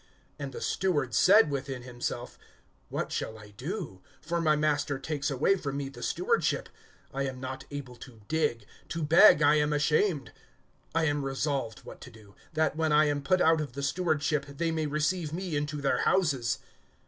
(3)And the steward said within himself: What shall I do? for my master takes away from me the stewardship. I am not able to dig; to beg I am ashamed. (4)I am resolved what to do, that, when I am put out of the stewardship, they may receive me into their houses.